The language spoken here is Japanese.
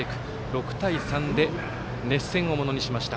６対３で熱戦をものにしました。